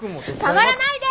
触らないで！